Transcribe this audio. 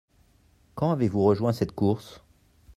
Quand avez-vous rejoint cette course ?